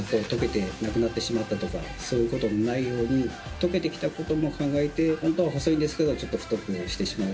溶けてきたことも考えて本当は細いんですけどちょっと太くしてしまうとか。